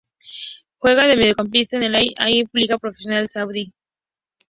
Juega de mediocampista en el Al-Ahli de la Liga Profesional Saudí.